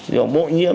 rồi bội nhiễm